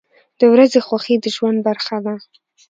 • د ورځې خوښي د ژوند برخه ده.